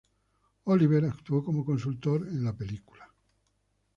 Oliver actuó como consultor en la película.